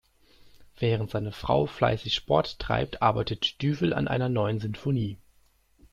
Während seine Frau fleißig Sport treibt, arbeitet Düwel an einer neuen Sinfonie.